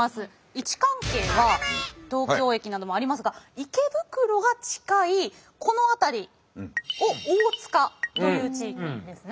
位置関係は東京駅などもありますが池袋が近いこの辺りを大塚という地域ですね。